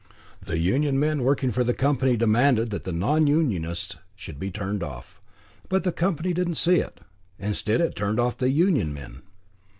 The union men working for the company demanded that the non unionists should be turned off. But the company didn't see it. Instead, it turned off the union men.